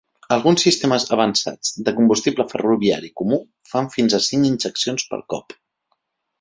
Alguns sistemes avançats de combustible ferroviari comú fan fins a cinc injeccions per cop.